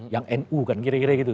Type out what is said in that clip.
yang nu kan kira kira gitu